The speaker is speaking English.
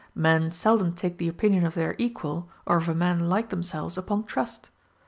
Men seldom take the opinion of their equal, or of a man like themselves, upon trust.